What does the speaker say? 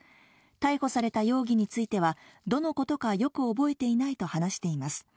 逮捕された容疑については、どのことかよく覚えていないと話しています。